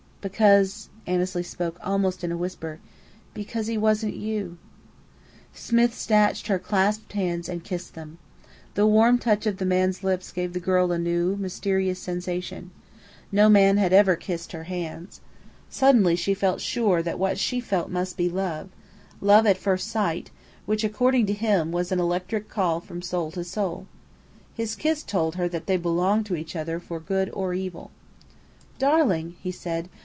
"Because" Annesley spoke almost in a whisper "because he wasn't you." Smith snatched her clasped hands and kissed them. The warm touch of the man's lips gave the girl a new, mysterious sensation. No man had ever kissed even her hands. Suddenly she felt sure that what she felt must be love love at first sight, which, according to him, was an electric call from soul to soul. His kiss told her that they belonged to each other for good or evil. "Darling!" he said.